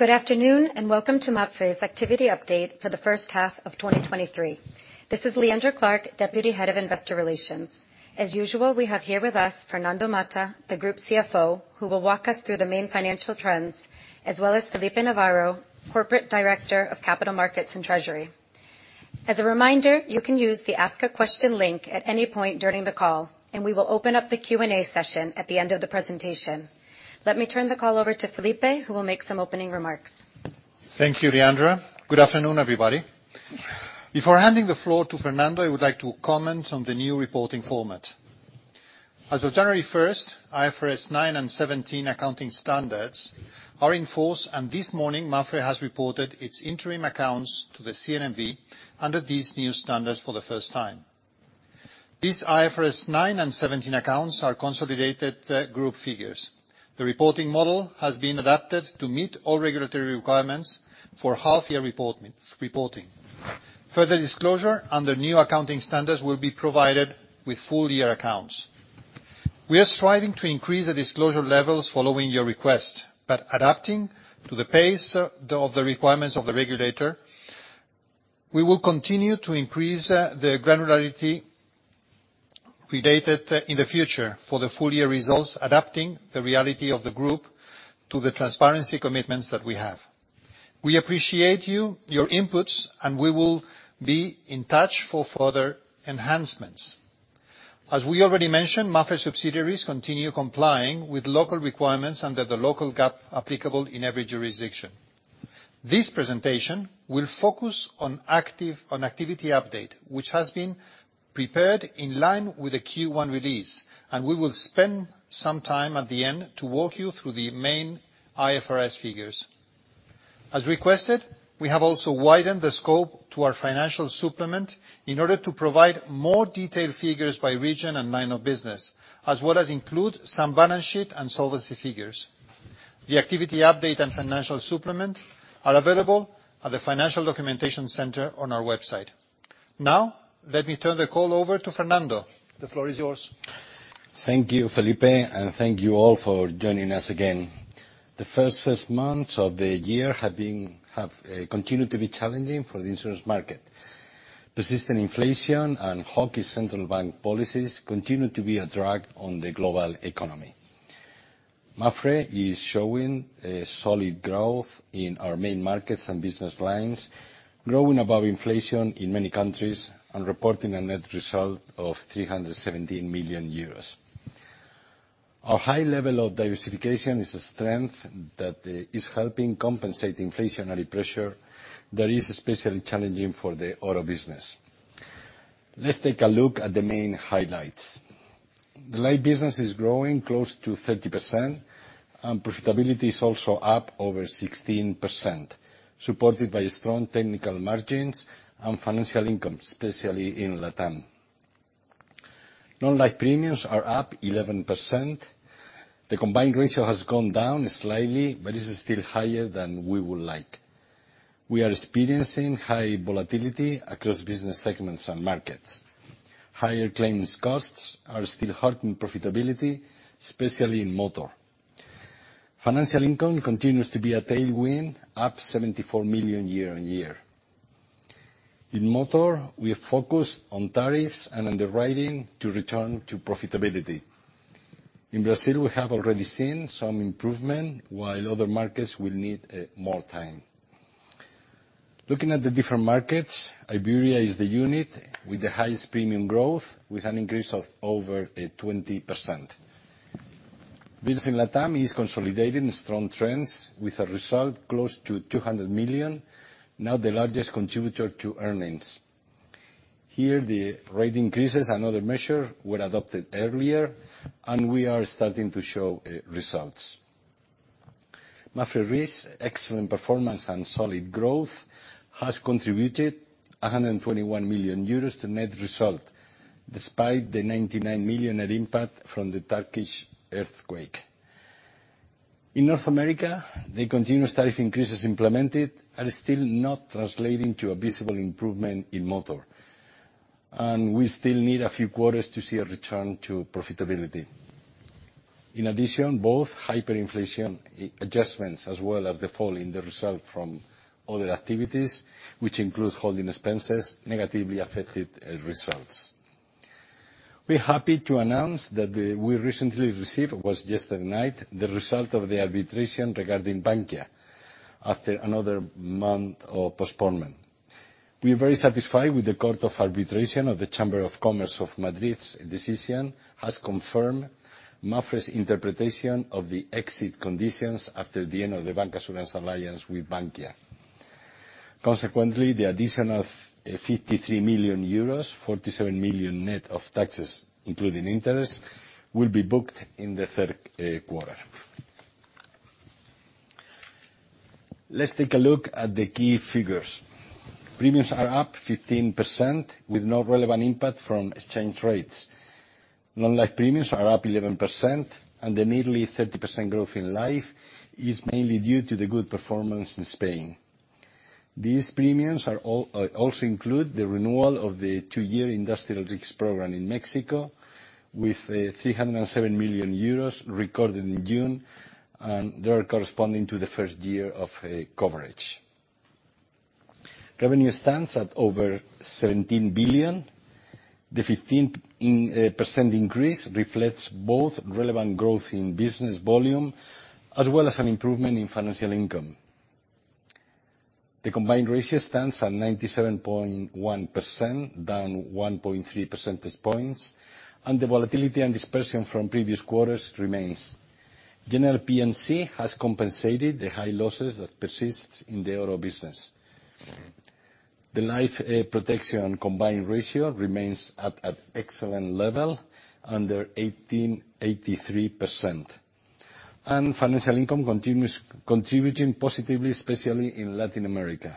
Good afternoon, welcome to MAPFRE's Activity Update for the first half of 2023. This is Leandra Clark, Deputy Head of Investor Relations. As usual, we have here with us Fernando Mata, the Group CFO, who will walk us through the main financial trends, as well as Felipe Navarro, Corporate Director of Capital Markets and Treasury. As a reminder, you can use the Ask a Question link at any point during the call, and we will open up the Q&A session at the end of the presentation. Let me turn the call over to Felipe, who will make some opening remarks. Thank you, Leandra. Good afternoon, everybody. Before handing the floor to Fernando, I would like to comment on the new reporting format. As of January first, IFRS 9 and 17 accounting standards are in force. This morning, MAPFRE has reported its interim accounts to the CNMV under these new standards for the first time. These IFRS 9 and 17 accounts are consolidated group figures. The reporting model has been adapted to meet all regulatory requirements for half year reporting. Further disclosure under new accounting standards will be provided with full year accounts. We are striving to increase the disclosure levels following your request. Adapting to the pace of the requirements of the regulator, we will continue to increase the granularity predated in the future for the full year results, adapting the reality of the group to the transparency commitments that we have. We appreciate you, your inputs, and we will be in touch for further enhancements. As we already mentioned, MAPFRE subsidiaries continue complying with local requirements under the local GAAP applicable in every jurisdiction. This presentation will focus on activity update, which has been prepared in line with the Q1 release, and we will spend some time at the end to walk you through the main IFRS figures. As requested, we have also widened the scope to our financial supplement in order to provide more detailed figures by region and line of business, as well as include some balance sheet and solvency figures. The activity update and financial supplement are available at the Financial Documentation Center on our website. Let me turn the call over to Fernando. The floor is yours. Thank you, Felipe, and thank you all for joining us again. The first six months of the year have been, have, continued to be challenging for the insurance market. Persistent inflation and hawkish central bank policies continue to be a drag on the global economy. MAPFRE is showing a solid growth in our main markets and business lines, growing above inflation in many countries and reporting a net result of 317 million euros. Our high level of diversification is a strength that is helping compensate inflationary pressure that is especially challenging for the auto business. Let's take a look at the main highlights. The life business is growing close to 30%, and profitability is also up over 16%, supported by strong technical margins and financial income, especially in LATAM. Non-Life premiums are up 11%. The combined ratio has gone down slightly, but it is still higher than we would like. We are experiencing high volatility across business segments and markets. Higher claims costs are still hurting profitability, especially in motor. Financial income continues to be a tailwind, up 74 million year-on-year. In motor, we are focused on tariffs and underwriting to return to profitability. In Brazil, we have already seen some improvement, while other markets will need more time. Looking at the different markets, Iberia is the unit with the highest premium growth, with an increase of over 20%. Business in LATAM is consolidating strong trends with a result close to 200 million, now the largest contributor to earnings. Here, the rate increases and other measure were adopted earlier, and we are starting to show results. MAPFRE RE's excellent performance and solid growth has contributed 121 million euros to net result, despite the 99 million net impact from the Turkish earthquake. In North America, the continuous tariff increases implemented are still not translating to a visible improvement in motor. We still need a few quarters to see a return to profitability. In addition, both hyperinflation adjustments, as well as the fall in the result from other activities, which includes holding expenses, negatively affected results. We're happy to announce that we recently received, it was yesterday night, the result of the arbitration regarding Bankia, after another month of postponement. We are very satisfied with the Court of Arbitration of the Chamber of Commerce of Madrid's decision, has confirmed MAPFRE's interpretation of the exit conditions after the end of the bancassurance alliance with Bankia. Consequently, the addition of 53 million euros, 47 million net of taxes, including interest, will be booked in the third quarter. Let's take a look at the key figures. Premiums are up 15%, with no relevant impact from exchange rates. Non-Life premiums are up 11%, and the nearly 30% growth in life is mainly due to the good performance in Spain. These premiums are all, also include the renewal of the two-year industrial risks program in Mexico, with 307 million euros recorded in June, and they are corresponding to the first year of a coverage. Revenue stands at over 17 billion. The 15% increase reflects both relevant growth in business volume, as well as an improvement in financial income. The combined ratio stands at 97.1%, down 1.3 percentage points, the volatility and dispersion from previous quarters remains. General P&C has compensated the high losses that persist in the auto business. The life, protection combined ratio remains at a excellent level, under 83%, and financial income continues contributing positively, especially in Latin America.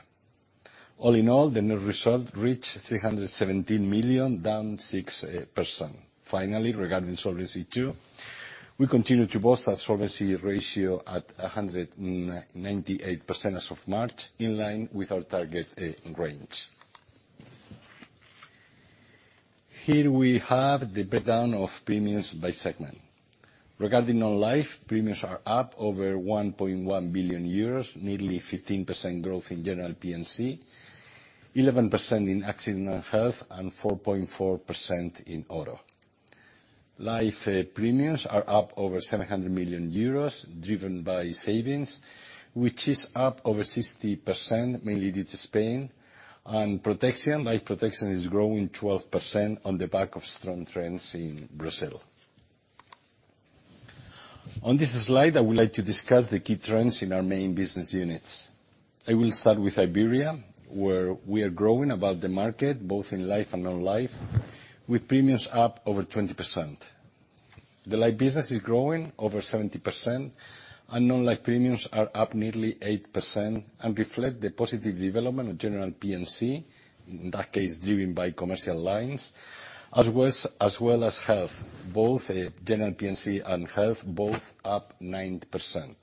All in all, the net result reached 317 million, down 6%. Finally, regarding Solvency II, we continue to boast a solvency ratio at 198% as of March, in line with our target range. Here we have the breakdown of premiums by segment. Regarding Non-Life, premiums are up over 1.1 billion euros, nearly 15% growth in General P&C, 11% in Accident and Health, and 4.4% in Auto. Life premiums are up over 700 million euros, driven by savings, which is up over 60%, mainly due to Spain. Protection, Life Protection is growing 12% on the back of strong trends in Brazil. On this slide, I would like to discuss the key trends in our main business units. I will start with Iberia, where we are growing above the market, both in Life and Non-Life, with premiums up over 20%. The life business is growing over 70%, and Non-Life premiums are up nearly 8% and reflect the positive development of general P&C, in that case, driven by commercial lines, as well as, as well as Health, both general P&C and Health, both up 9%.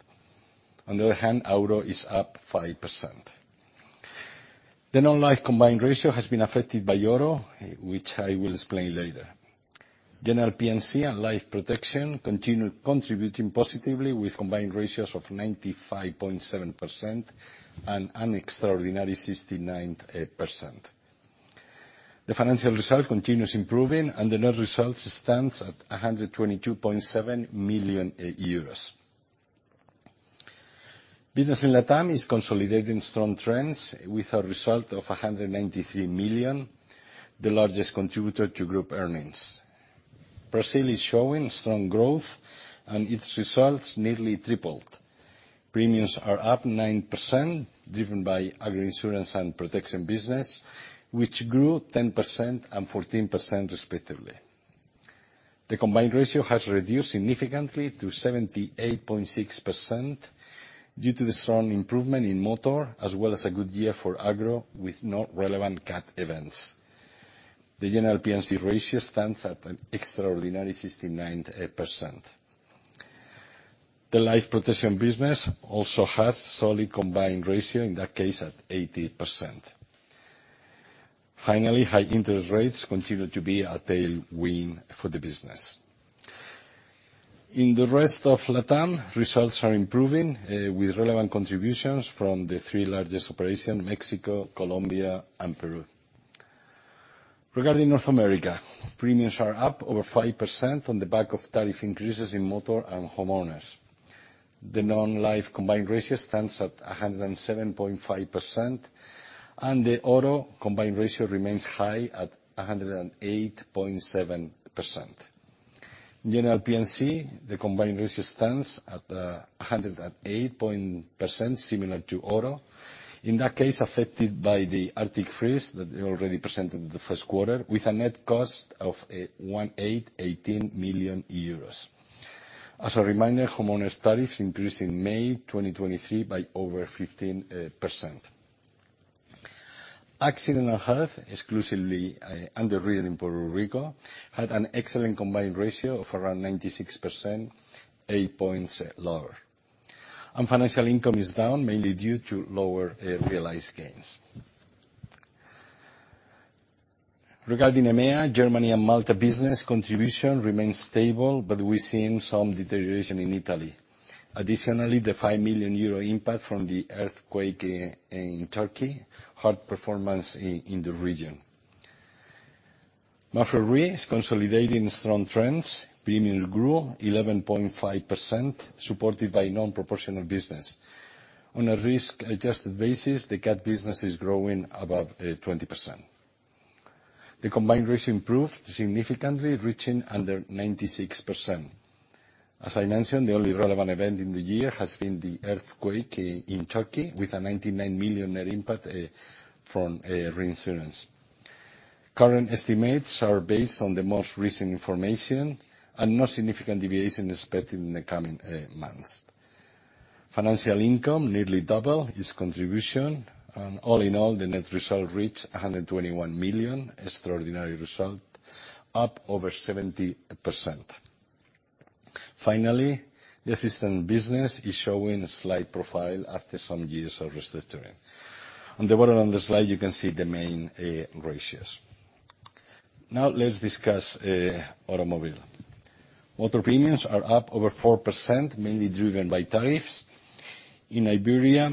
On the other hand, Auto is up 5%. The Non-Life combined ratio has been affected by Auto, which I will explain later. General P&C and Life Protection continue contributing positively with combined ratios of 95.7% and an extraordinary 69%. The financial result continues improving, and the net result stands at 122.7 million euros. Business in LATAM is consolidating strong trends with a result of 193 million, the largest contributor to group earnings. Brazil is showing strong growth, and its results nearly tripled. Premiums are up 9%, driven by agro insurance and protection business, which grew 10% and 14% respectively. The combined ratio has reduced significantly to 78.6% due to the strong improvement in motor, as well as a good year for agro, with no relevant cat events. The general P&C ratio stands at an extraordinary 69%. The Life Protection business also has solid combined ratio, in that case, at 80%. Finally, high interest rates continue to be a tailwind for the business. In the rest of LATAM, results are improving, with relevant contributions from the three largest operations: Mexico, Colombia and Peru. Regarding North America, premiums are up over 5% on the back of tariff increases in motor and homeowners. The Non-Life combined ratio stands at 107.5%, and the Auto combined ratio remains high at 108.7%. General P&C, the combined ratio stands at [108%], similar to Auto, in that case, affected by the Arctic Freeze that already presented in the first quarter, with a net cost of 18 million euros. As a reminder, homeowner tariffs increased in May 2023 by over 15%. Accident and Health, exclusively, underwritten in Puerto Rico, had an excellent combined ratio of around 96%, eight points lower. Financial income is down, mainly due to lower realized gains. Regarding EMEA, Germany and Malta business contribution remains stable, but we're seeing some deterioration in Italy. Additionally, the 5 million euro impact from the earthquake in Turkey hurt performance in the region. MAPFRE RE is consolidating strong trends. Premiums grew 11.5%, supported by non-proportional business. On a risk-adjusted basis, the cat business is growing above 20%. The combined ratio improved significantly, reaching under 96%. As I mentioned, the only relevant event in the year has been the earthquake in Turkey, with a 99 million net impact from reinsurance. Current estimates are based on the most recent information, and no significant deviation expected in the coming months. Financial income nearly double its contribution, and all in all, the net result reached 121 million, extraordinary result, up over 70%. Finally, the assistant business is showing a slight profile after some years of restructuring. On the bottom of the slide, you can see the main ratios. Now let's discuss automobile. Auto premiums are up over 4%, mainly driven by tariffs. In Iberia,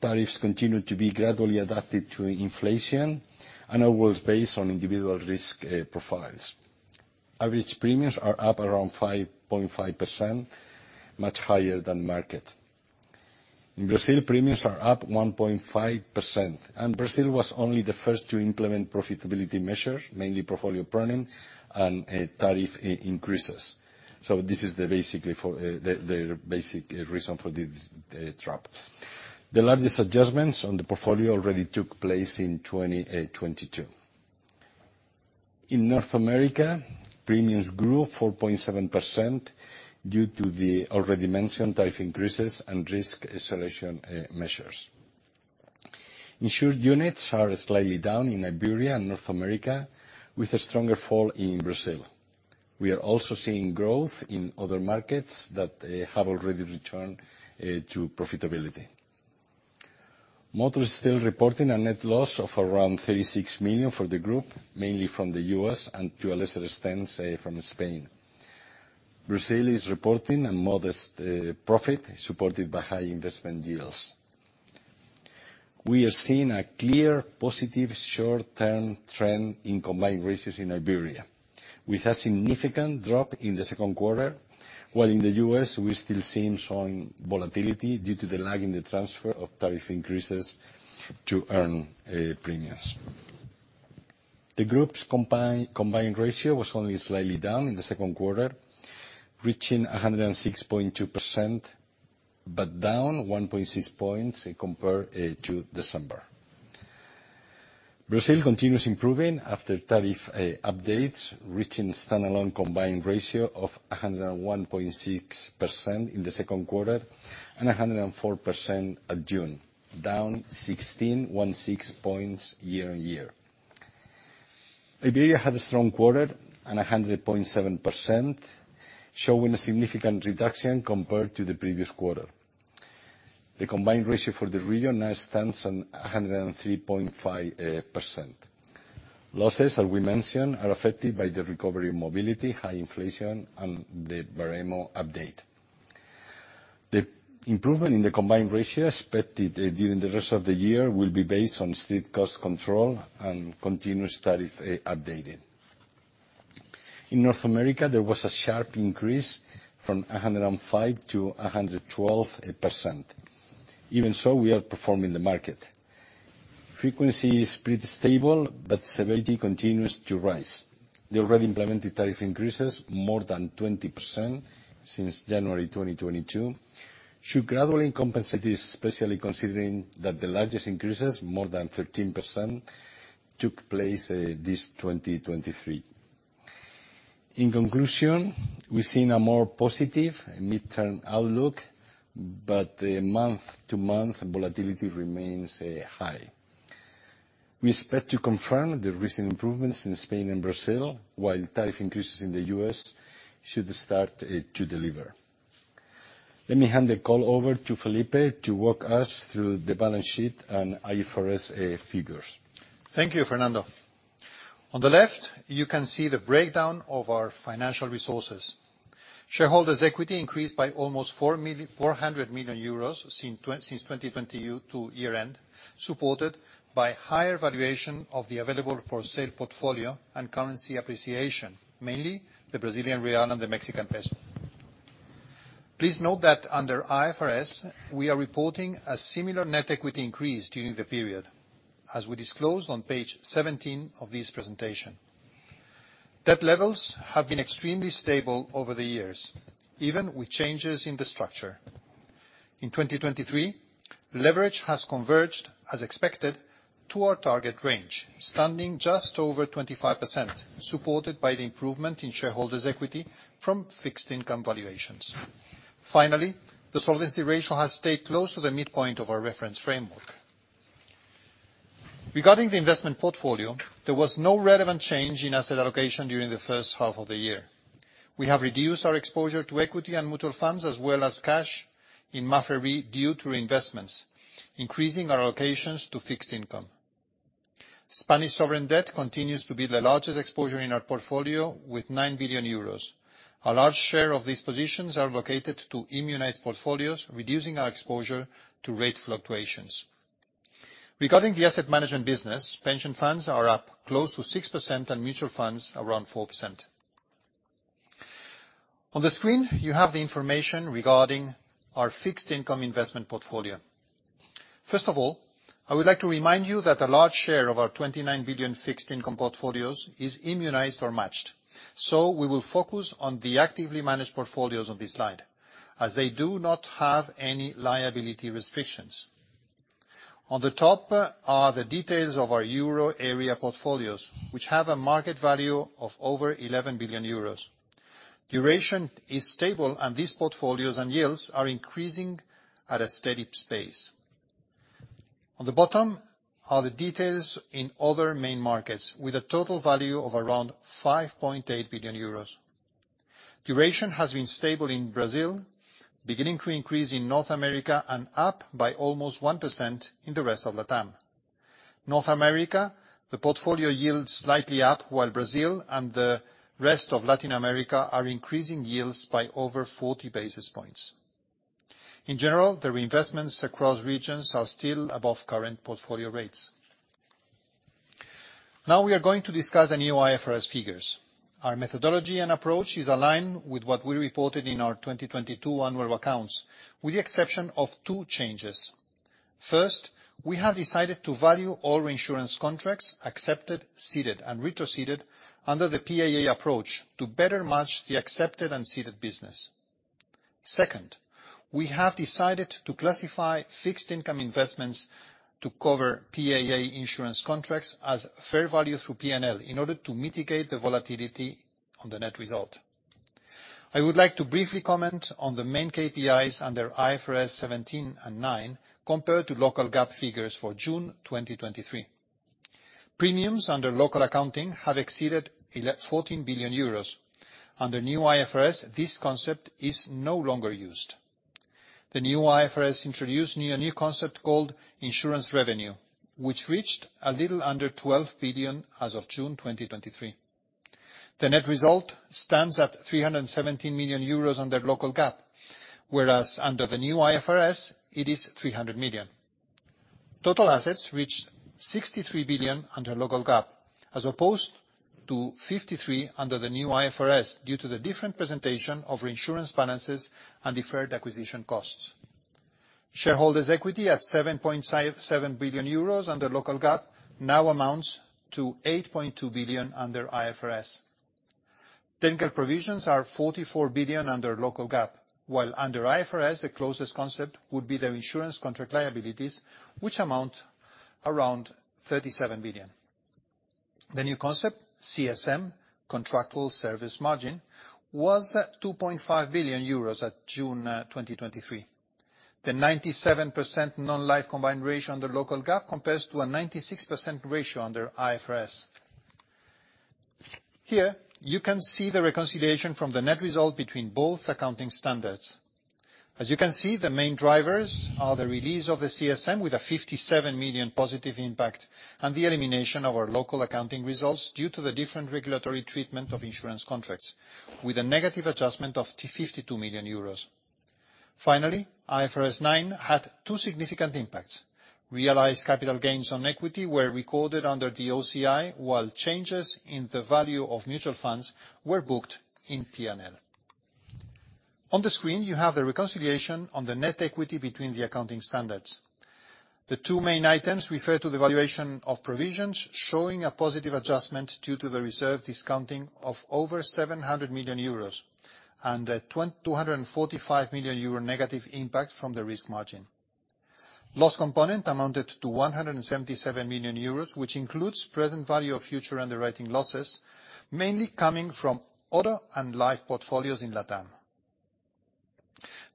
tariffs continue to be gradually adapted to inflation and are worse based on individual risk profiles. Average premiums are up around 5.5%, much higher than market. In Brazil, premiums are up 1.5%, and Brazil was only the first to implement profitability measures, mainly portfolio pruning and tariff increases. This is the basically for, the, the basic reason for this drop. The largest adjustments on the portfolio already took place in 2022. In North America, premiums grew 4.7% due to the already mentioned tariff increases and risk selection measures. Insured units are slightly down in Iberia and North America, with a stronger fall in Brazil. We are also seeing growth in other markets that have already returned to profitability. Motor is still reporting a net loss of around 36 million for the group, mainly from the US and to a lesser extent, say, from Spain. Brazil is reporting a modest profit, supported by high investment yields. We are seeing a clear, positive, short-term trend in combined ratios in Iberia, with a significant drop in the second quarter, while in the U.S., we're still seeing some volatility due to the lag in the transfer of tariff increases to earn premiums. The group's combined ratio was only slightly down in the second quarter, reaching 106.2%, but down 1.6 points compared to December. Brazil continues improving after tariff updates, reaching standalone combined ratio of 101.6% in the second quarter, and 104% at June, down 16 points year-on-year. Iberia had a strong quarter and 100.7%, showing a significant reduction compared to the previous quarter. The combined ratio for the region now stands at 103.5%. Losses, as we mentioned, are affected by the recovery in mobility, high inflation, and the Baremo update. The improvement in the combined ratio expected during the rest of the year will be based on strict cost control and continuous tariff updating. In North America, there was a sharp increase from 105% to 112%. We are performing the market. Frequency is pretty stable, but severity continues to rise. The already implemented tariff increases, more than 20% since January 2022, should gradually compensate this, especially considering that the largest increases, more than 13%, took place this 2023. In conclusion, we're seeing a more positive midterm outlook, but the month-to-month volatility remains high. We expect to confirm the recent improvements in Spain and Brazil, while tariff increases in the US should start to deliver. Let me hand the call over to Felipe to walk us through the balance sheet and IFRS figures. Thank you, Fernando. On the left, you can see the breakdown of our financial resources. Shareholders' equity increased by almost 400 million euros, since [2022] to year-end, supported by higher valuation of the available for sale portfolio and currency appreciation, mainly the Brazilian real and the Mexican peso. Please note that under IFRS, we are reporting a similar net equity increase during the period, as we disclosed on page 17 of this presentation. Debt levels have been extremely stable over the years, even with changes in the structure. In 2023, leverage has converged as expected to our target range, standing just over 25%, supported by the improvement in shareholders' equity from fixed income valuations. Finally, the solvency ratio has stayed close to the midpoint of our reference framework. Regarding the investment portfolio, there was no relevant change in asset allocation during the first half of the year. We have reduced our exposure to equity and mutual funds, as well as cash in MAPFRE, due to reinvestments, increasing our allocations to fixed income. Spanish sovereign debt continues to be the largest exposure in our portfolio with 9 billion euros. A large share of these positions are allocated to immunized portfolios, reducing our exposure to rate fluctuations. Regarding the asset management business, pension funds are up close to 6%, and mutual funds around 4%. On the screen, you have the information regarding our fixed income investment portfolio. First of all, I would like to remind you that a large share of our 29 billion fixed income portfolios is immunized or matched, so we will focus on the actively managed portfolios on this slide, as they do not have any liability restrictions. On the top are the details of our euro area portfolios, which have a market value of over 11 billion euros. Duration is stable, these portfolios and yields are increasing at a steady pace. On the bottom are the details in other main markets, with a total value of around 5.8 billion euros. Duration has been stable in Brazil, beginning to increase in North America, and up by almost 1% in the rest of LATAM. North America, the portfolio yields slightly up, while Brazil and the rest of Latin America are increasing yields by over 40 basis points. In general, the reinvestments across regions are still above current portfolio rates. We are going to discuss the new IFRS figures. Our methodology and approach is aligned with what we reported in our 2022 annual accounts, with the exception of two changes. First, we have decided to value all reinsurance contracts accepted, ceded, and retro ceded under the PAA approach to better match the accepted and ceded business. Second, we have decided to classify fixed income investments to cover PAA insurance contracts as fair value through P&L in order to mitigate the volatility on the net result. I would like to briefly comment on the main KPIs under IFRS 17 and 9, compared to local GAAP figures for June 2023. Premiums under local accounting have exceeded 14 billion euros. Under new IFRS, this concept is no longer used. The new IFRS introduced new, a new concept called insurance revenue, which reached a little under 12 billion as of June 2023. The net result stands at 317 million euros under local GAAP, whereas under the new IFRS, it is 300 million. Total assets reached 63 billion under local GAAP, as opposed to 53 under the new IFRS, due to the different presentation of reinsurance balances and deferred acquisition costs. Shareholders' equity at 7.7 billion euros under local GAAP, now amounts to 8.2 billion under IFRS. Technical provisions are 44 billion under local GAAP, while under IFRS, the closest concept would be the insurance contract liabilities, which amount around 37 billion. The new concept, CSM, contractual service margin, was at 2.5 billion euros at June 2023. The 97% Non-Life combined ratio under local GAAP compares to a 96% ratio under IFRS. Here, you can see the reconciliation from the net result between both accounting standards. As you can see, the main drivers are the release of the CSM, with a 57 million positive impact, and the elimination of our local accounting results due to the different regulatory treatment of insurance contracts, with a negative adjustment of 52 million euros. Finally, IFRS 9 had two significant impacts: realized capital gains on equity were recorded under the OCI, while changes in the value of mutual funds were booked in P&L. On the screen, you have the reconciliation on the net equity between the accounting standards. The two main items refer to the valuation of provisions, showing a positive adjustment due to the reserve discounting of over 700 million euros and a 245 million euro negative impact from the risk margin. Loss component amounted to 177 million euros, which includes present value of future underwriting losses, mainly coming from other and life portfolios in LATAM.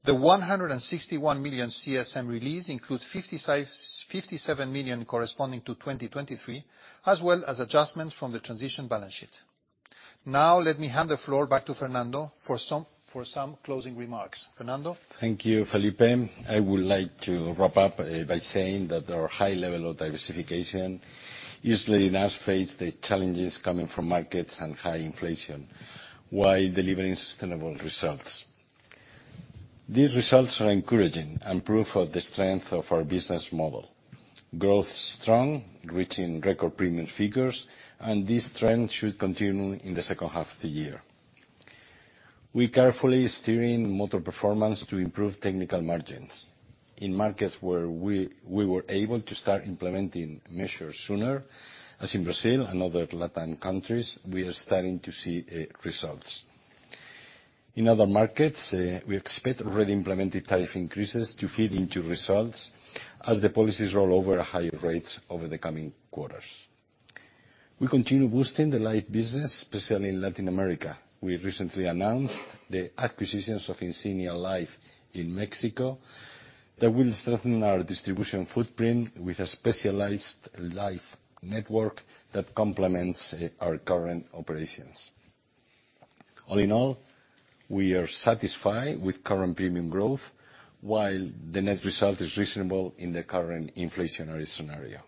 The 161 million CSM release includes 57 million corresponding to 2023, as well as adjustments from the transition balance sheet. Now, let me hand the floor back to Fernando for some, for some closing remarks. Fernando? Thank you, Felipe. I would like to wrap up by saying that our high level of diversification is letting us face the challenges coming from markets and high inflation, while delivering sustainable results. These results are encouraging and proof of the strength of our business model. Growth is strong, reaching record premium figures. This trend should continue in the second half of the year. We carefully steering motor performance to improve technical margins. In markets where we were able to start implementing measures sooner, as in Brazil and other Latam countries, we are starting to see results. In other markets, we expect already implemented tariff increases to feed into results as the policies roll over at higher rates over the coming quarters. We continue boosting the life business, especially in Latin America. We recently announced the acquisitions of Insignia Life in Mexico that will strengthen our distribution footprint with a specialized life network that complements our current operations. All in all, we are satisfied with current premium growth, while the net result is reasonable in the current inflationary scenario.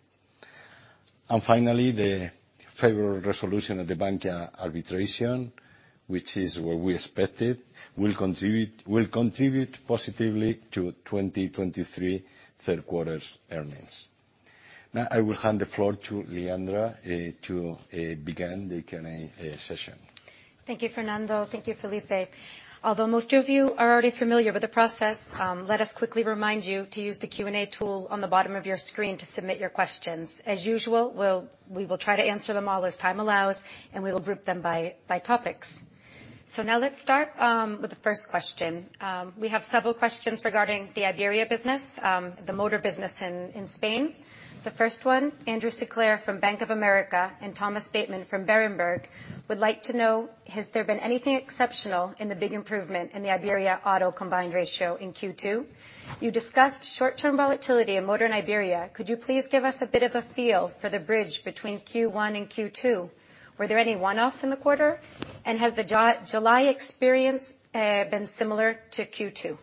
Finally, the favorable resolution of the Bankia arbitration, which is what we expected, will contribute, will contribute positively to 2023 third quarters' earnings. Now, I will hand the floor to Leandra, to begin the Q&A session. Thank you, Fernando. Thank you, Felipe. Although most of you are already familiar with the process, let us quickly remind you to use the Q&A tool on the bottom of your screen to submit your questions. As usual, we will try to answer them all as time allows, and we will group them by topics. Now let's start with the first question. We have several questions regarding the Iberia business, the motor business in Spain. The first one, Andrew Sinclair from Bank of America and Thomas Bateman from Berenberg, would like to know, has there been anything exceptional in the big improvement in the Iberia Auto combined ratio in Q2? You discussed short-term volatility in motor in Iberia. Could you please give us a bit of a feel for the bridge between Q1 and Q2? Were there any one-offs in the quarter, and has the July experience been similar to Q2?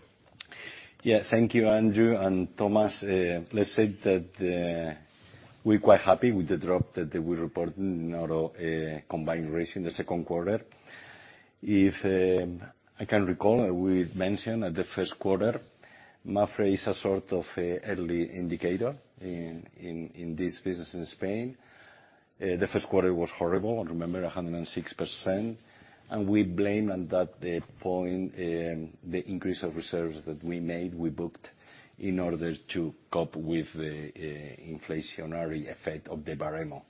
Yeah. Thank you, Andrew and Thomas. Let's say that we're quite happy with the drop that we reported in Auto combined ratio in the second quarter. If I can recall, we mentioned at the first quarter, MAPFRE is a sort of a early indicator in this business in Spain. The first quarter was horrible, remember 106%, and we blame on that the point, the increase of reserves that we made, we booked in order to cope with the inflationary effect of the Baremo.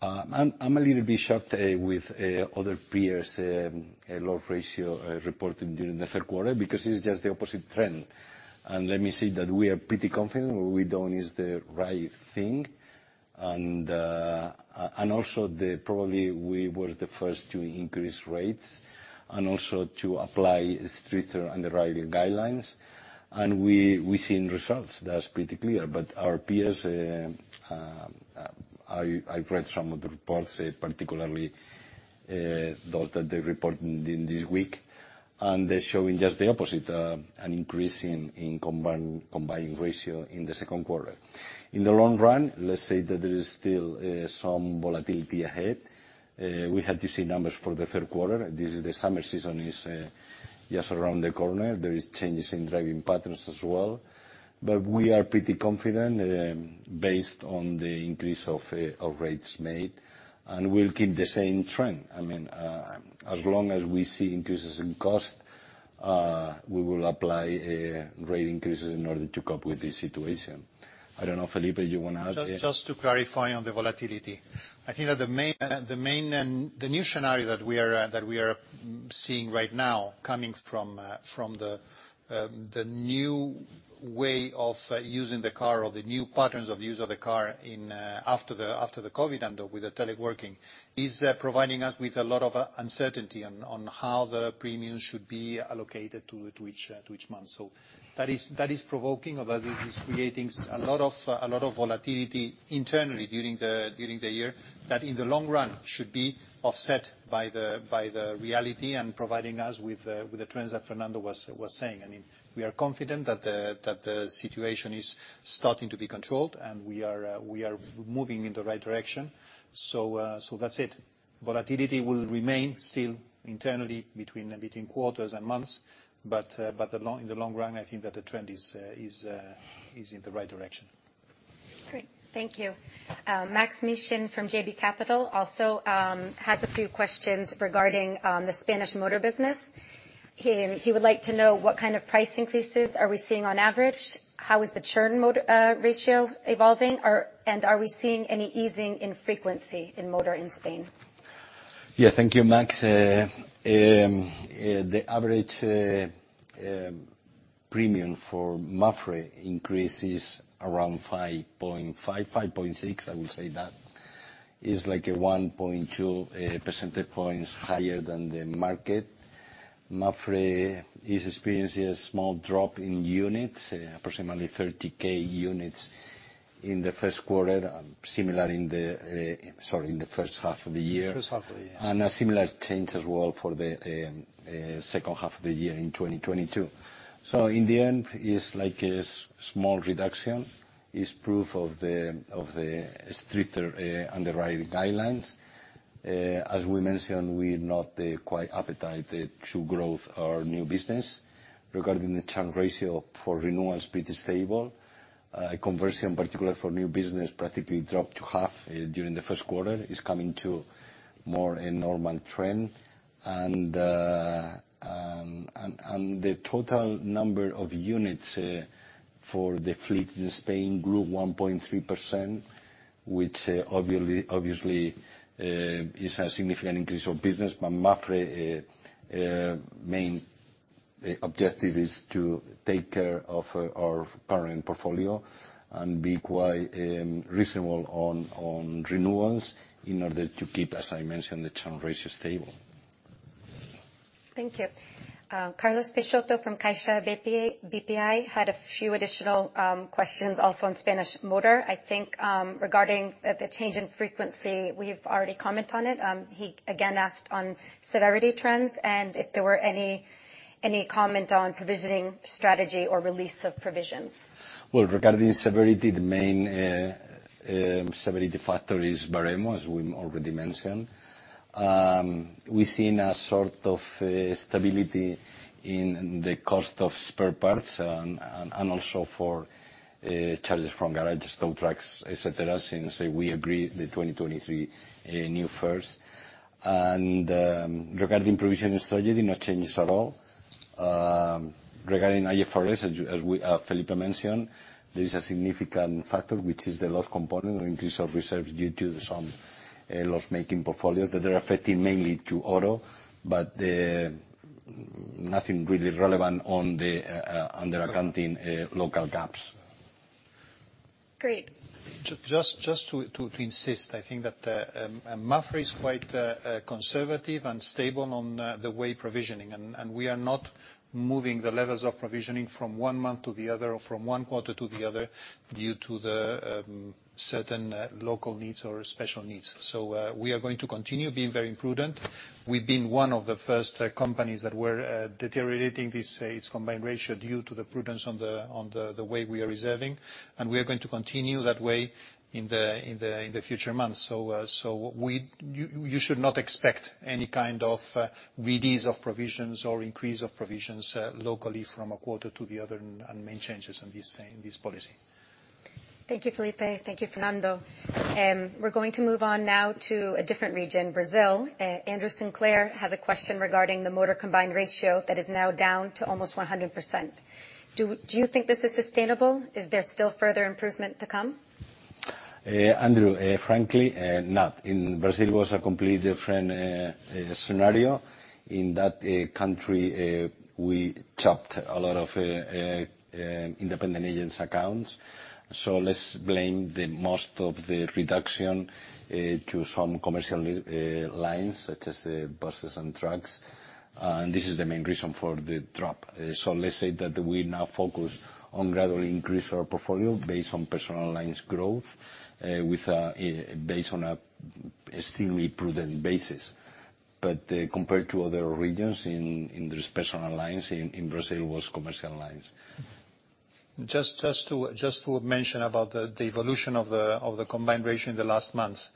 I'm, I'm a little bit shocked with other peers loss ratio reported during the third quarter, because it's just the opposite trend. Let me say that we are pretty confident what we done is the right thing, and also probably we were the first to increase rates and also to apply stricter underwriting guidelines. We've seen results. That's pretty clear. Our peers, I've read some of the reports, particularly those that they reported in this week, and they're showing just the opposite, an increase in combined ratio in the second quarter. In the long run, let's say that there is still some volatility ahead. We have to see numbers for the third quarter. The summer season is just around the corner. There is changes in driving patterns as well. We are pretty confident, based on the increase of rates made, and we'll keep the same trend. I mean, as long as we see increases in cost, we will apply rate increases in order to cope with the situation. I don't know, Felipe, you want to add? Just, just to clarify on the volatility. I think that the main, the main and the new scenario that we are, that we are seeing right now, coming from, from the, the new way of using the car or the new patterns of use of the car in, after the, after the COVID and with the teleworking, is providing us with a lot of uncertainty on, on how the premiums should be allocated to, to each, to each month. That is, that is provoking, or that is creating a lot of, a lot of volatility internally during the, during the year, that in the long run should be offset by the, by the reality and providing us with, with the trends that Fernando was, was saying. I mean, we are confident that the situation is starting to be controlled, and we are moving in the right direction. That's it. Volatility will remain still internally between quarters and months, in the long run, I think that the trend is in the right direction. Great, thank you. Max Mishyn from JB Capital also has a few questions regarding the Spanish motor business. He would like to know what kind of price increases are we seeing on average? How is the churn ratio evolving, and are we seeing any easing in frequency in motor in Spain? Yeah, thank you, Max. The average premium for MAPFRE increase is around 5.5-5.6, I will say that. It is like a 1.2 percentage points higher than the market. MAPFRE is experiencing a small drop in units, approximately 30,000 units in the first quarter, similar in the, sorry, in the first half of the year. First half of the year. A similar trend as well for the second half of the year in 2022. In the end, it's like a small reduction. It's proof of the, of the stricter underwriting guidelines. As we mentioned, we're not quite appetite to grow our new business. Regarding the churn ratio for renewals, pretty stable. Conversion, particularly for new business, practically dropped to half during the first quarter. It's coming to more a normal trend. The total number of units for the fleet in Spain grew 1.3%, which obviously, obviously, is a significant increase of business. MAPFRE main objective is to take care of our current portfolio and be quite reasonable on renewals in order to keep, as I mentioned, the churn ratio stable. Thank you. Carlos Peixoto from Caixa BPI, had a few additional, questions, also on Spanish motor. I think, regarding the, the change in frequency, we've already commented on it. He again asked on severity trends and if there were any, any comment on provisioning strategy or release of provisions. Well, regarding severity, the main severity factor is Baremo, as we already mentioned. We've seen a sort of stability in the cost of spare parts and also for charges from garage, tow trucks, et cetera, since we agreed the 2023 new first. Regarding provisioning strategy, no changes at all. Regarding IFRS, as you, as we, Felipe mentioned, there is a significant factor, which is the loss component or increase of reserves due to some loss-making portfolios that are affecting mainly to Auto, but nothing really relevant on the under accounting local gaps. Great. Just to insist, I think that MAPFRE is quite conservative and stable on the way provisioning, and, and we are not moving the levels of provisioning from one month to the other or from one quarter to the other due to the certain local needs or special needs. We are going to continue being very prudent. We've been one of the first companies that were deteriorating this its combined ratio due to the prudence on the, on the, the way we are reserving, and we are going to continue that way in the, in the, in the future months. You should not expect any kind of release of provisions or increase of provisions locally from a quarter to the other, and, and main changes on this in this policy. Thank you, Felipe. Thank you, Fernando. We're going to move on now to a different region, Brazil. Andrew Sinclair has a question regarding the motor combined ratio that is now down to almost 100%. Do, do you think this is sustainable? Is there still further improvement to come? Andrew, frankly, not. In Brazil was a completely different scenario. In that country, we chopped a lot of independent agents accounts, so let's blame the most of the reduction to some commercial lines, such as buses and trucks, and this is the main reason for the drop. Let's say that we now focus on gradually increase our portfolio based on personal lines growth, based on a extremely prudent basis. Compared to other regions in the personal lines, in Brazil, was commercial lines. Just, just to, just to mention about the evolution of the combined ratio in the last months.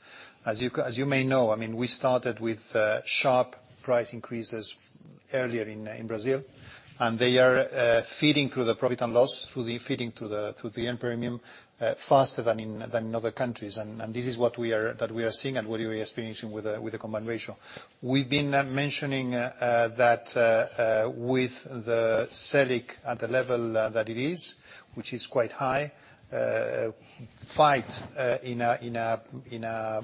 As you as you may know, I mean, we started with sharp price increases earlier in Brazil, and they are feeding through the profit and loss, through the feeding to the earned premium, faster than in other countries. This is what we are, that we are seeing and what we are experiencing with the combined ratio. We've been mentioning that with the Selic at the level that it is, which is quite high, fight in a, in a, in a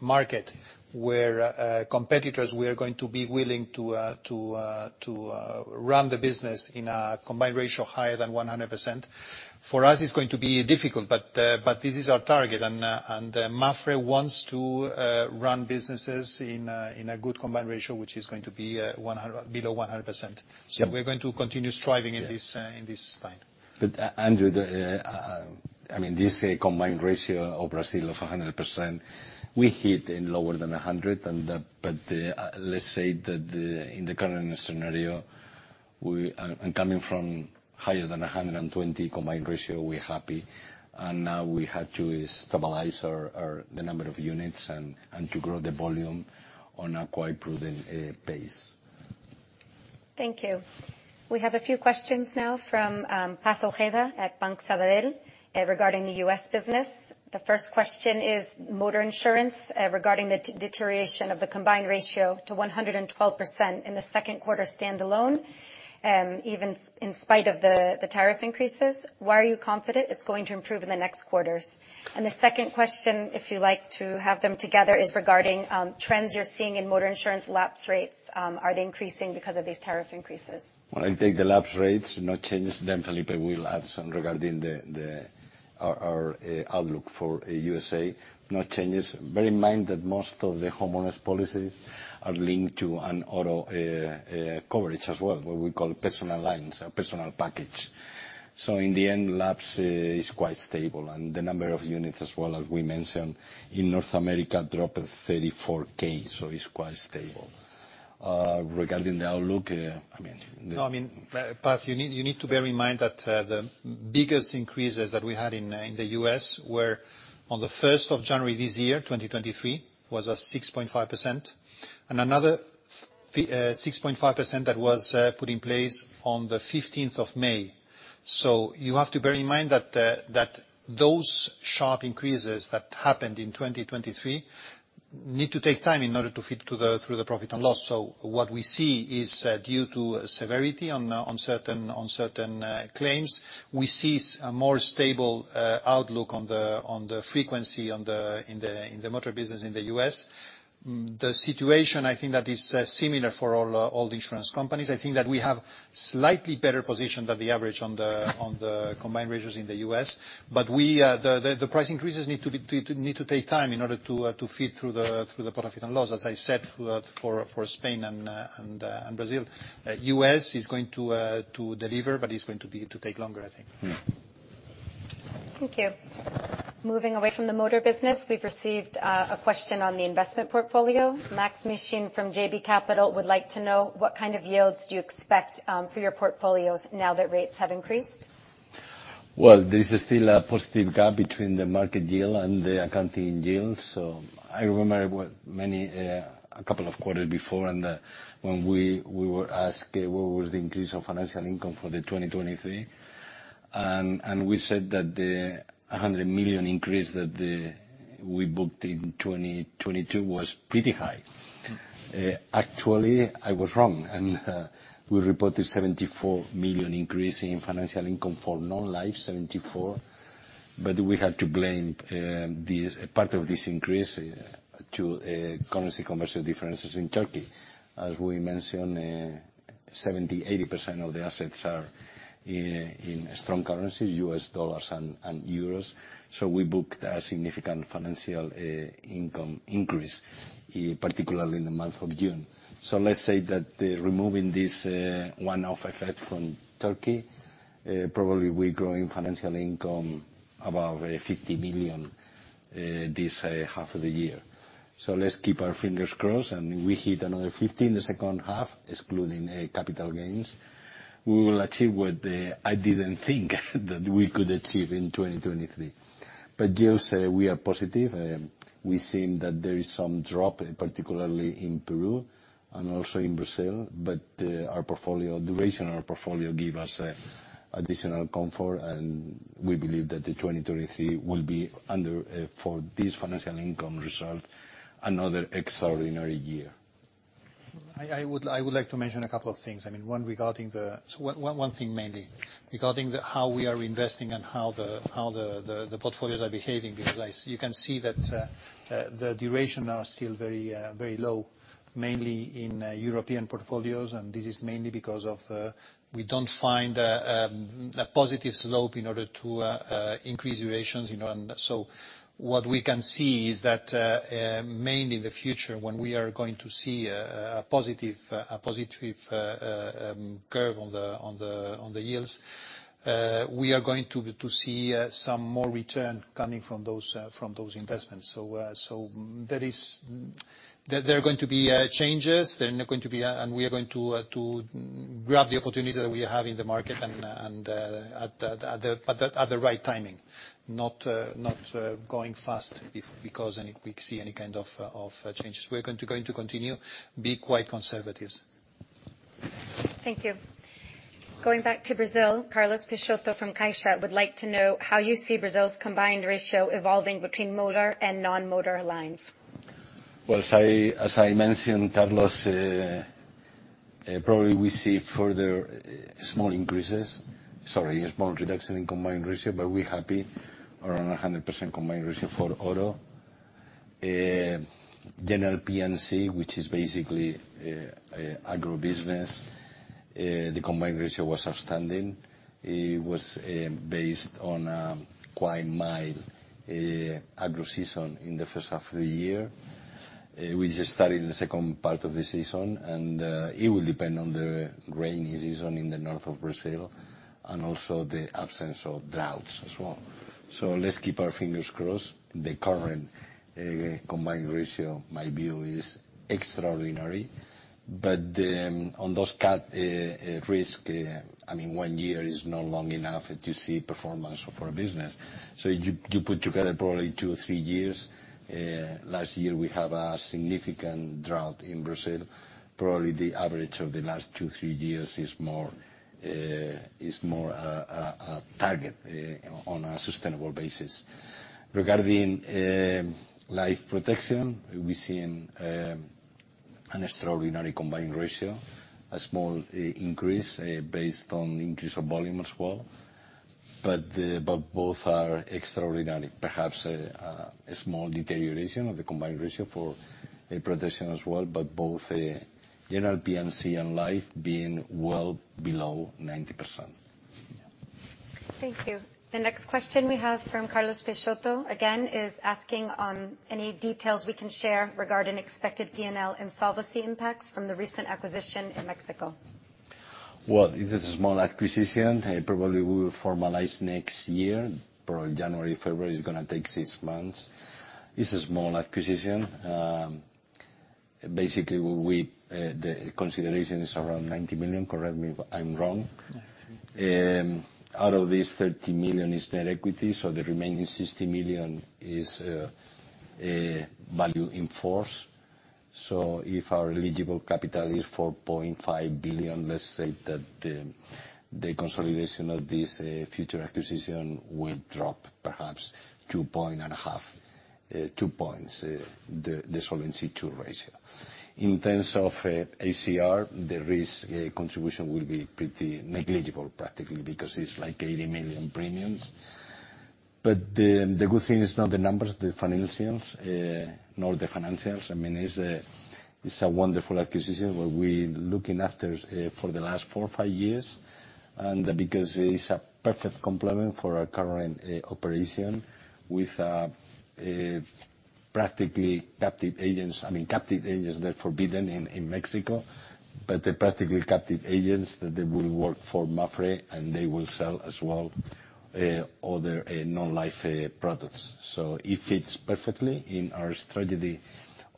market where competitors we are going to be willing to to to run the business in a combined ratio higher than 100%. For us, it's going to be difficult, but, but this is our target, and, and MAPFRE wants to, run businesses in a, in a good combined ratio, which is going to be, 100, below 100%. Yeah. We're going to continue striving in this, in this fight. Andrew, I mean, this combined ratio of Brazil of 100%, we hit in lower than 100. Let's say that the, in the current scenario, we, coming from higher than 120 combined ratio, we're happy, and now we had to stabilize our, the number of units and to grow the volume on a quite prudent pace. Thank you. We have a few questions now from Paz Ojeda at Banco Sabadell regarding the U.S. business. The first question is motor insurance, regarding the deterioration of the combined ratio to 112% in the second quarter standalone, even in spite of the, the tariff increases. Why are you confident it's going to improve in the next quarters? The second question, if you like to have them together, is regarding trends you're seeing in motor insurance lapse rates. Are they increasing because of these tariff increases? Well, I think the lapse rates, no changes. Felipe will add some regarding the our outlook for USA, no changes. Bear in mind that most of the homeowners policies are linked to an auto coverage as well, what we call personal lines, a personal package. In the end, lapse is quite stable, and the number of units as well, as we mentioned, in North America, dropped 34K, so it's quite stable. Regarding the outlook, I mean, the- No, I mean, Paz, you need to bear in mind that the biggest increases that we had in the U.S. were on the 1st of January this year, 2023, was a 6.5%, and another 6.5% that was put in place on the 15th of May. You have to bear in mind that those sharp increases that happened in 2023 need to take time in order to feed through the profit and loss. What we see is due to severity on certain claims, we see a more stable outlook on the frequency in the motor business in the U.S. The situation, I think, that is similar for all, all the insurance companies, I think that we have slightly better position than the average on the, on the combined ratios in the U.S. We, the, the, the price increases need to be, need to take time in order to to feed through the, through the profit and loss, as I said, for, for Spain and, and, and Brazil. US is going to to deliver, but it's going to be, to take longer, I think. Mm-hmm. Thank you. Moving away from the motor business, we've received a question on the investment portfolio. Max Mishyn from JB Capital would like to know: What kind of yields do you expect for your portfolios now that rates have increased? Well, there is still a positive gap between the market yield and the accounting yield. I remember what many, a couple of quarters before and, when we, we were asked, what was the increase of financial income for 2023? We said that the 100 million increase we booked in 2022 was pretty high. Actually, I was wrong, and, we reported 74 million increase in financial income for Non-Life, 74 million. We had to blame, this, part of this increase, to, currency conversion differences in Turkey. As we mentioned, 70%, 80% of the assets are in, in strong currencies, US dollars and euros, so we booked a significant financial, income increase, particularly in the month of June. Let's say that, removing this one-off effect from Turkey, probably we're growing financial income above 50 million this half of the year. Let's keep our fingers crossed, and we hit another 50 in the second half, excluding capital gains. We will achieve what I didn't think that we could achieve in 2023. Yes, we are positive. We've seen that there is some drop, particularly in Peru and also in Brazil, but our portfolio, duration of our portfolio give us additional comfort, and we believe that 2023 will be under for this financial income result, another extraordinary year. I would like to mention a couple of things. I mean, one, one, one thing mainly, regarding how we are investing and how the portfolios are behaving, because you can see that the duration are still very low, mainly in European portfolios, and this is mainly because of the. We don't find a positive slope in order to increase durations, you know? So what we can see is that mainly in the future, when we are going to see a positive, a positive curve on the yields, we are going to see some more return coming from those from those investments. So, that is, there are going to be changes. There are going to be. We are going to to grab the opportunities that we have in the market and and at the, at the, at the, at the right timing, not not going fast if, because we see any kind of of changes. We're going to, going to continue, be quite conservatives. Thank you. Going back to Brazil, Carlos Peixoto from Caixa would like to know how you see Brazil's combined ratio evolving between motor and non-motor lines. As I, as I mentioned, Carlos, probably we see further small increases, sorry, a small reduction in combined ratio, but we're happy, around 100% combined ratio for Auto. General P&C, which is basically agribusiness, the combined ratio was outstanding. It was based on a quite mild agro season in the first half of the year. We just started the second part of the season, and it will depend on the rainy season in the north of Brazil and also the absence of droughts as well. Let's keep our fingers crossed. The current combined ratio, my view, is extraordinary. On those cat risk, I mean, one year is not long enough to see performance of our business. You, you put together probably two, three years. Last year, we have a significant drought in Brazil. Probably the average of the last two, three years is more, is more a target on a sustainable basis. Regarding Life Protection, we've seen an extraordinary combined ratio, a small increase based on increase of volume as well. Both are extraordinary. Perhaps a small deterioration of the combined ratio for protection as well, but both general P&C and life being well below 90%. Thank you. The next question we have from Carlos Peixoto, again, is asking on any details we can share regarding expected P&L and solvency impacts from the recent acquisition in Mexico. Well, it is a small acquisition. Probably we will formalize next year, probably January, February. It's gonna take six months. It's a small acquisition. Basically, we, the consideration is around 90 million, correct me if I'm wrong. Yeah. Out of this, 30 million is net equity. The remaining 60 million is value in force. If our eligible capital is 4.5 billion, let's say that the consolidation of this future acquisition will drop perhaps 2.5, two points, the Solvency II ratio. In terms of ACR, the risk contribution will be pretty negligible, practically, because it's like 80 million premiums. The good thing is not the numbers, the financials, nor the financials. I mean, it's a wonderful acquisition where we're looking after for the last four, five years, and because it is a perfect complement for our current operation with practically captive agents. I mean, captive agents, they're forbidden in Mexico, but they're practically captive agents that they will work for MAPFRE and they will sell as well other Non-Life products. It fits perfectly in our strategy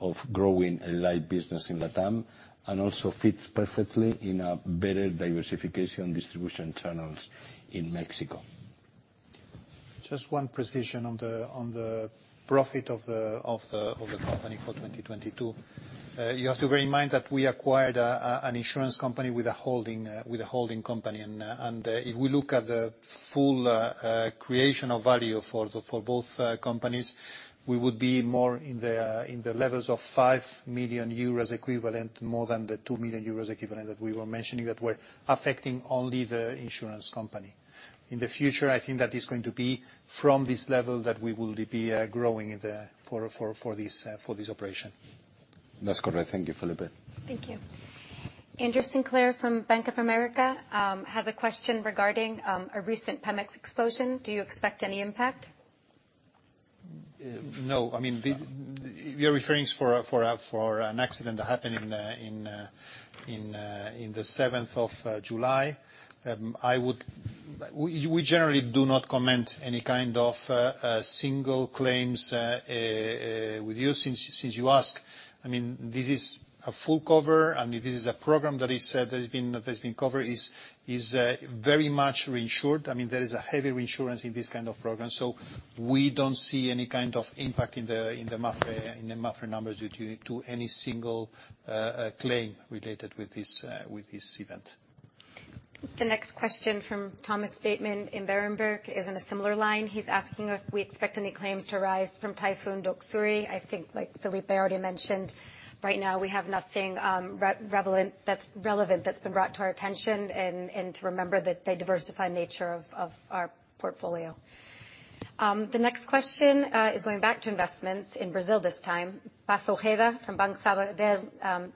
of growing a light business in LATAM, and also fits perfectly in a better diversification distribution channels in Mexico. Just one precision on the, on the profit of the, of the, of the company for 2022. You have to bear in mind that we acquired an insurance company with a holding with a holding company. If we look at the full creation of value for the, for both companies, we would be more in the in the levels of 5 million euros equivalent, more than the 2 million euros equivalent that we were mentioning, that were affecting only the insurance company. In the future, I think that is going to be from this level that we will be growing for this operation. That's correct. Thank you, Felipe. Thank you. Andrew Sinclair from Bank of America has a question regarding a recent Pemex explosion. Do you expect any impact? No. I mean, you are referring for an accident that happened in the 7th of July. We generally do not comment any kind of single claims with you. Since, since you ask, I mean, this is a full cover, and this is a program that has been, that has been covered. Very much reinsured. I mean, there is a heavy reinsurance in this kind of program. We don't see any kind of impact in the MAPFRE, in the MAPFRE numbers, due to any single claim related with this event. The next question from Thomas Bateman in Berenberg is in a similar line. He's asking if we expect any claims to rise from Typhoon Doksuri. I think, like Felipe already mentioned, right now we have nothing that's relevant, that's been brought to our attention and to remember the diversified nature of our portfolio. The next question is going back to investments, in Brazil this time. Paz Ojeda from Banco Sabadell asks,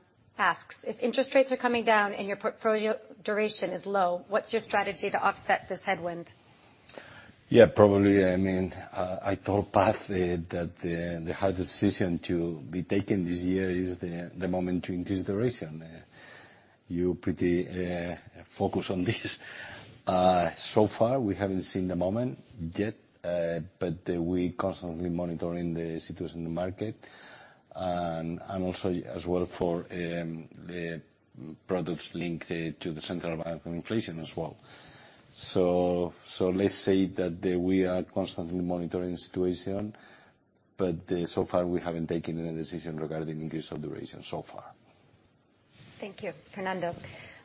"If interest rates are coming down and your portfolio duration is low, what's your strategy to offset this headwind? Yeah, probably, I mean, I told Paz that the hard decision to be taken this year is the moment to increase duration. You pretty focus on this. So far, we haven't seen the moment yet, but we constantly monitoring the situation in the market. Also as well for the products linked to the central bank and inflation as well. So let's say that we are constantly monitoring the situation, but so far we haven't taken any decision regarding increase of the duration so far. Thank you, Fernando.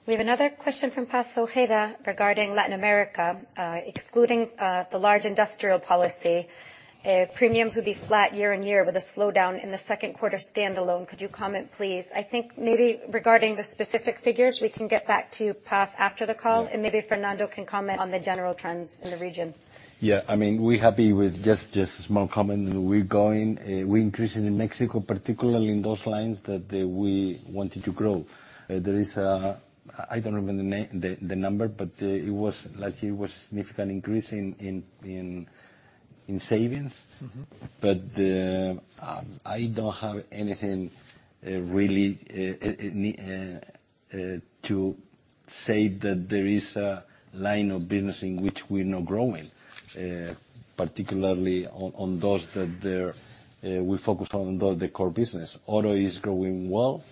We have another question from Paz Ojeda regarding Latin America. Excluding the large industrial policy, premiums would be flat year-on-year with a slowdown in the second quarter standalone. Could you comment, please? I think maybe regarding the specific figures, we can get back to Paz after the call. Maybe Fernando can comment on the general trends in the region. Yeah. I mean, we're happy with just, just a small comment. We're going, we're increasing in Mexico, particularly in those lines that we wanted to grow. There is a, I don't remember the number, but it was, last year it was a significant increase in savings. Mm-hmm. I don't have anything really to say that there is a line of business in which we're not growing, particularly on, on those that are, we focus on the, the core business. Auto is growing well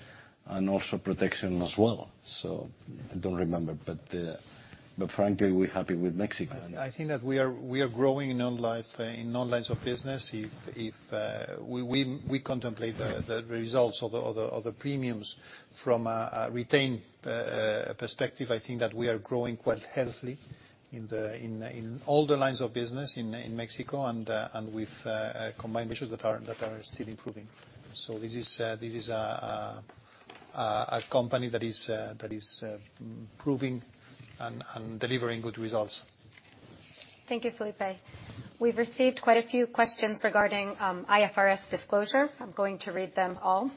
and also protection as well. I don't remember, but frankly, we're happy with Mexico. I, I think that we are, we are growing in all life, in all lines of business. If, if, we, we, we contemplate the, the results of the, of the, of the premiums from a, a retain, perspective, I think that we are growing quite healthily in the, in, in all the lines of business in, in Mexico and, and with, combined ratios that are, that are still improving. This is, this is, a company that is, that is, improving and, and delivering good results. Thank you, Felipe. We've received quite a few questions regarding IFRS disclosure. I'm going to read them all.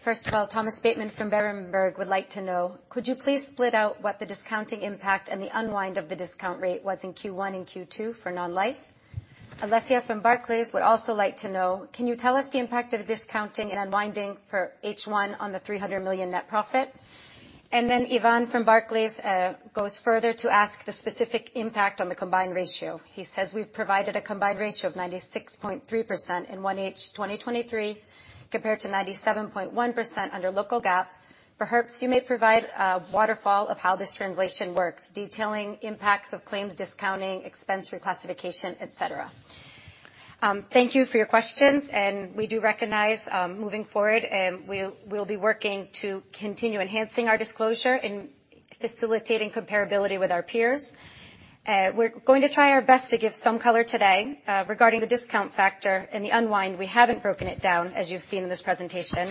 First of all, Thomas Bateman from Berenberg would like to know: "Could you please split out what the discounting impact and the unwind of the discount rate was in Q1 and Q2 for Non-Life?" Alexia from Barclays would also like to know: "Can you tell us the impact of discounting and unwinding for H1 on the 300 million net profit?" Yvonne from Barclays goes further to ask the specific impact on the combined ratio. He says, "We've provided a combined ratio of 96.3% in 1H 2023, compared to 97.1% under local GAAP. Perhaps you may provide a waterfall of how this translation works, detailing impacts of claims, discounting, expense reclassification, et cetera." Thank you for your questions, and we do recognize, moving forward, we'll, we'll be working to continue enhancing our disclosure and facilitating comparability with our peers. We're going to try our best to give some color today. Regarding the discount factor and the unwind, we haven't broken it down, as you've seen in this presentation.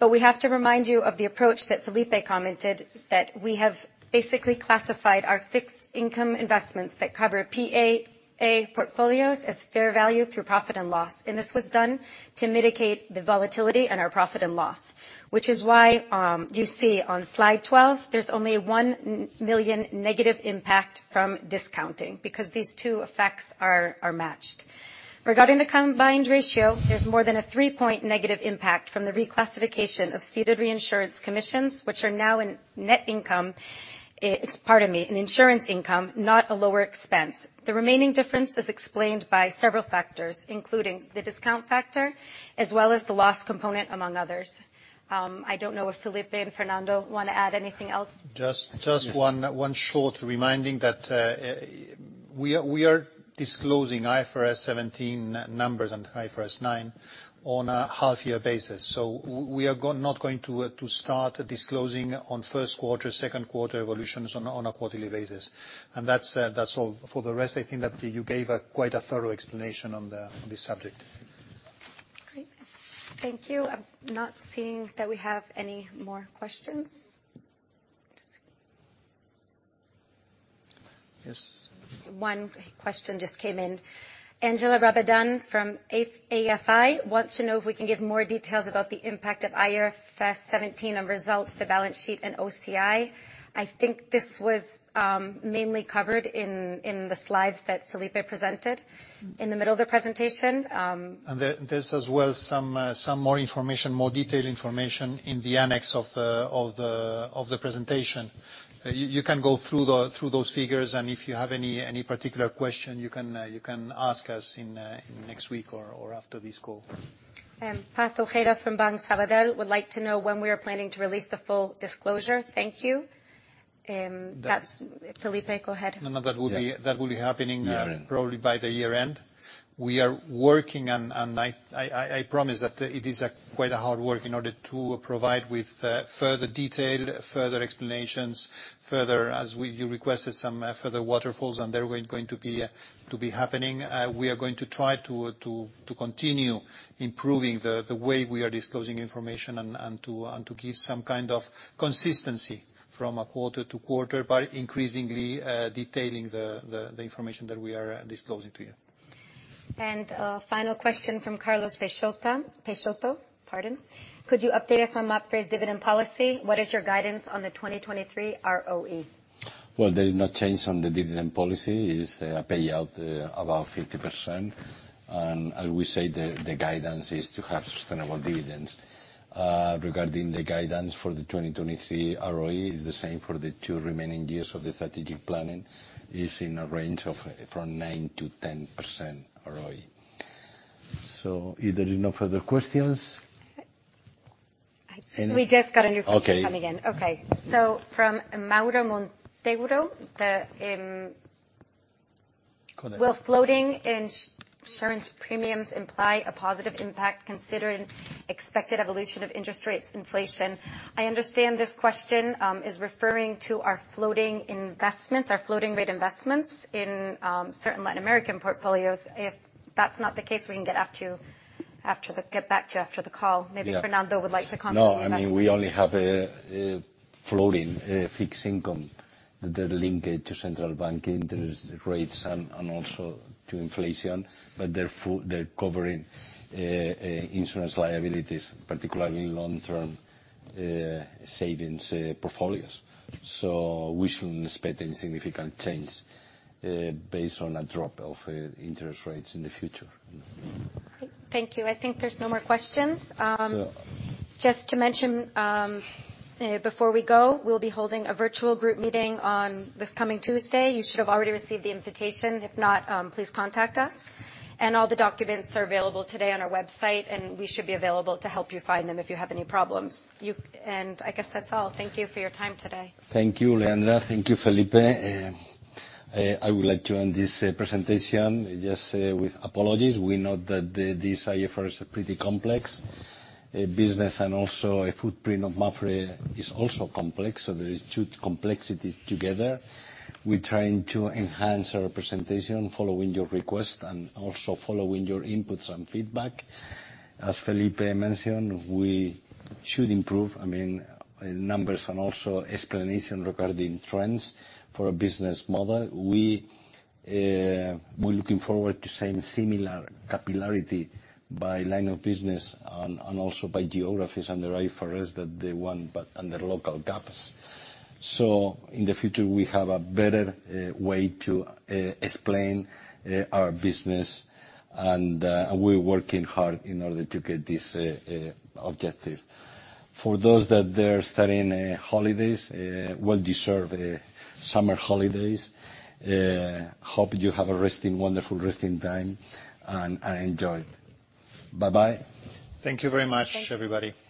We have to remind you of the approach that Felipe commented, that we have basically classified our fixed income investments that cover PAA portfolios as fair value through profit and loss, and this was done to mitigate the volatility in our profit and loss. Which is why, you see on slide 12, there's only 1 million negative impact from discounting, because these two effects are, are matched. Regarding the combined ratio, there's more than a three-point negative impact from the reclassification of ceded reinsurance commissions, which are now in net income. Pardon me, in insurance income, not a lower expense. The remaining difference is explained by several factors, including the discount factor as well as the loss component, among others. I don't know if Felipe and Fernando want to add anything else? Just, just one, one short, reminding that we are disclosing IFRS 17 numbers and IFRS 9 on a half-year basis. We are not going to start disclosing on first quarter, second quarter evolutions on a quarterly basis. That's that's all. For the rest, I think that you gave a quite a thorough explanation on the subject. Great. Thank you. I'm not seeing that we have any more questions. Yes. One question just came in. [Ángela Rabadán from AFI] wants to know if we can give more details about the impact of IFRS 17 on results, the balance sheet, and OCI. I think this was mainly covered in, in the slides that Felipe presented in the middle of the presentation. There, there's as well some, some more information, more detailed information in the annex of the, of the, of the presentation. You, you can go through the, through those figures, and if you have any, any particular question, you can, you can ask us in, in next week or, or after this call. Pat Ojeda from Banco Sabadell would like to know when we are planning to release the full disclosure. Thank you. That's Felipe, go ahead. No, no, that will be That will be happening probably by the year end. We are working on, I, I, I promise that it is a quite a hard work in order to provide with further detail, further explanations, further... as we- you requested some further waterfalls, and they're going, going to be to be happening. We are going to try to, to, to continue improving the, the way we are disclosing information and, and to, and to give some kind of consistency from a quarter to quarter, by increasingly detailing the, the, the information that we are disclosing to you. A final question from Carlos Peixota, Peixoto, pardon: Could you update us on MAPFRE's dividend policy? What is your guidance on the 2023 ROE? Well, there is no change on the dividend policy. It's a payout about 50%. I will say the, the guidance is to have sustainable dividends. Regarding the guidance for the 2023 ROE, it's the same for the two remaining years of the strategic planning. It's in a range of from 9%-10% ROE. If there is no further questions? Okay. We just got a new question- Okay. come in. Okay, so from [Mauro Monteiro] the, Will floating insurance premiums imply a positive impact, considering expected evolution of interest rates, inflation? I understand this question is referring to our floating investments, our floating rate investments in certain Latin American portfolios. If that's not the case, we can get back to you after the call. Yeah. Maybe Fernando would like to comment on that. No, I mean, we only have a floating fixed income. They're linked to central bank interest rates and also to inflation, but they're covering insurance liabilities, particularly long-term savings portfolios. We shouldn't expect any significant change based on a drop of interest rates in the future. Thank you. I think there's no more questions. So- Just to mention, before we go, we'll be holding a virtual group meeting on this coming Tuesday. You should have already received the invitation. If not, please contact us. All the documents are available today on our website, and we should be available to help you find them if you have any problems. I guess that's all. Thank you for your time today. Thank you, Leandra. Thank you, Felipe. I would like to end this presentation just with apologies. We know that this IFRS are pretty complex business and also a footprint of MAPFRE is also complex, there is 2 complexities together. We're trying to enhance our presentation following your request and also following your inputs and feedback. As Felipe mentioned, we should improve, I mean, numbers and also explanation regarding trends for our business model. We, we're looking forward to seeing similar capillarity by line of business and also by geographies and the IFRS that they want, but under local GAAPs. In the future, we have a better way to explain our business, and we're working hard in order to get this objective. For those that they're starting, holidays, well-deserved, summer holidays, hope you have a resting, wonderful resting time and, enjoy. Bye-bye. Thank you very much, everybody. Thank you.